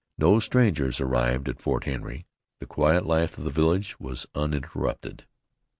No strangers arrived at Fort Henry. The quiet life of the village was uninterrupted.